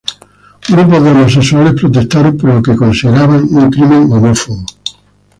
Grupos de homosexuales protestaron por lo que consideraban un crimen homófobo.